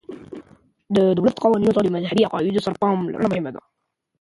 د دولت قوانینو ته د مذهبي عقایدو سره پاملرنه مهمه ده.